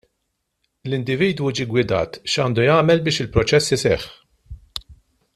L-individwu ġie ggwidat x'għandu jagħmel biex il-proċess iseħħ.